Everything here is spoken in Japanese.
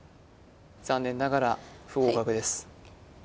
残念ながら不合格です